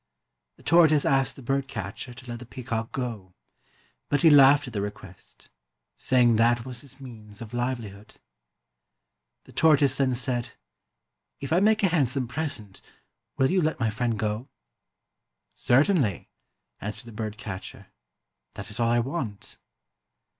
The tortoise asked the bird catcher to let the peacock go ; but he laughed at the request, say ing that was his means of livelihood. The tortoise then said, "If I make you a handsome present, will you let my friend go? "" Certainly," answered the bird catcher, " that is all I want."